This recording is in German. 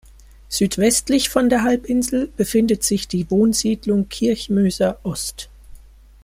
Südwestlich von der Halbinsel befindet sich die Wohnsiedlung Kirchmöser-Ost.